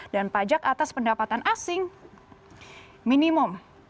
dan pajak atas pendapatan asing minimum